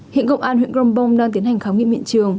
hiện cộng an huyện grombong đang tiến hành khám nghiệm miệng trường